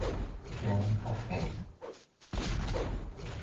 Quero um café